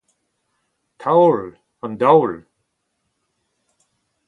taol, an daol